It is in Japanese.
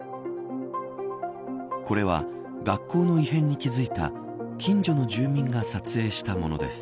これは学校の異変に気付いた近所の住民が撮影したものです。